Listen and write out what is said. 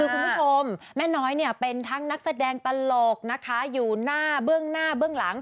คุณผู้ชมแม่น้อยเนี่ยเป็นทั้งนักแสดงตลกนะคะอยู่หน้าเบื้องหน้าเบื้องหลัง